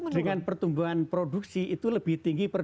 dengan pertumbuhan produksi itu lebih tinggi